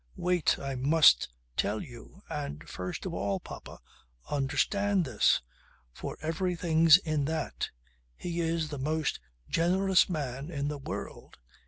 "Wait. I must tell you ... And first of all, papa, understand this, for everything's in that: he is the most generous man in the world.